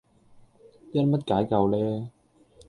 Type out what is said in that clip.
因乜解救呢